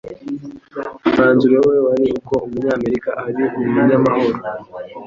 Umwanzuro we wari uko Umunyamerika ari umunyamahoro